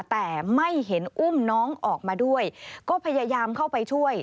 แต่ไม่เห็นอุ้มน้องออกมาด้วยก็พยายามเข้าไปช่วย